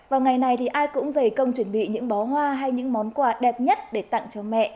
vào ngày này thì ai cũng dày công chuẩn bị những bó hoa hay những món quà đẹp nhất để tặng cho mẹ